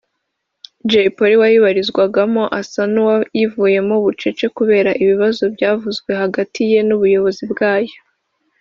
Jay Polly wayibarizwagamo asa n’uwayivuyemo bucece kubera ibibazo byavuzwe hagati ye n’ubuyobozi bwayo